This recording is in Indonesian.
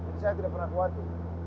jadi saya tidak pernah khawatir